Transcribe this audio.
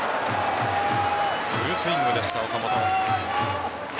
フルスイングでした、岡本。